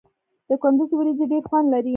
د کندز وریجې ډیر خوند لري.